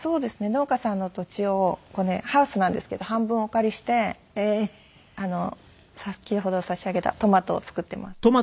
農家さんの土地をハウスなんですけど半分お借りして先ほど差し上げたトマトを作っていますね。